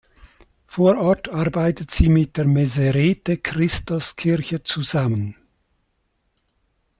Vor Ort arbeitet sie mit der Meserete-Kristos-Kirche zusammen.